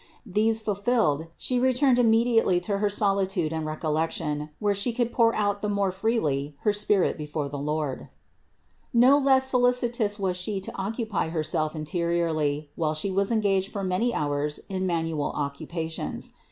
These fulfilled, She turned immediately to her solitude and recollection, where she could pour out the more freely her spirit before the Lord. 233. Not less solicitous was She to occupy Herself in THE INCARNATION 189 teriorly, while She was engaged for many hours in man ual occupations.